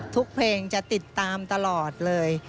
เพลงจะติดตามตลอดเลย